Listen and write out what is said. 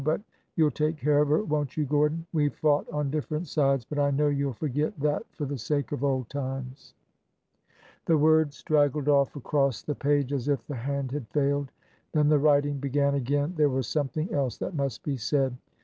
but — you 'll take care of her, won't you, Gordon? We 've fought on different sides, but I know you 'll forget that for the sake of old times." The word straggled off across the page, as if the hand had failed. Then the writing began again— there was something else that must be said.